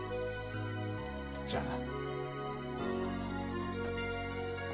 じゃあな。